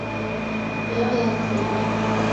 Mbeo yazidi.